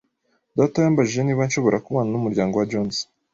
Data yambajije niba nshobora kubana n'umuryango wa Jones.